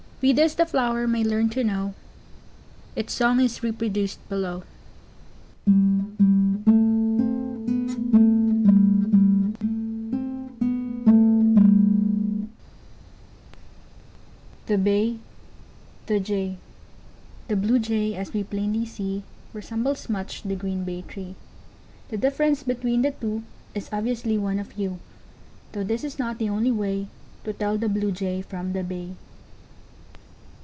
We thus the flower may learn to know, Its song is reproduced below. The Bay. The Jay. [Illustration: The Bay. The Jay.] The Blue Jay, as we plainly see, Resembles much the green Bay tree: The difference between the two, Is ob vi ous ly one of hue. Though this is not the only way, To tell the Blue Jay from the Bay.